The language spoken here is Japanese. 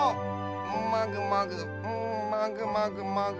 もぐもぐんもぐもぐもぐ。